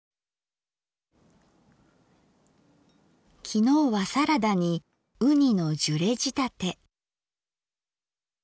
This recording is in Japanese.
きのうはサラダにうにのジュレ仕立て。